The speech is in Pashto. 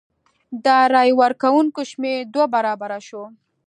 د رای ورکوونکو شمېر دوه برابره شو.